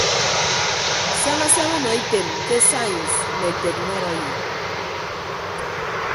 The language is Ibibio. Saña saña ọnọ item ke sains mme teknọrọyi.